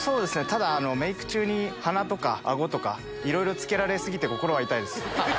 ただメイク中に鼻とか顎とかいろいろ付けられ過ぎて心が痛いです。